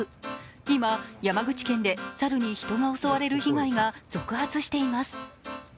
今、山口県で猿に人が襲われる被害が続発しています。